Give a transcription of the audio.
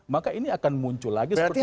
maka ini akan muncul lagi seperti itu